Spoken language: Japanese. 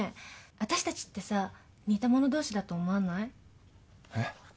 あたしたちってさ似た者同士だと思わない？え？